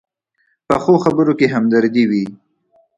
پخو خبرو کې همدردي وي